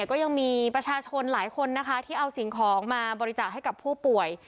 ก็ยังมีประชาชนหลายคนนะคะที่เอาสิ่งของมาบริจาคให้กับผู้ป่วย